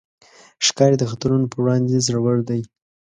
ښکاري د خطرونو پر وړاندې زړور دی.